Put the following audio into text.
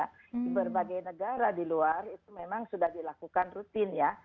di berbagai negara di luar itu memang sudah dilakukan rutin ya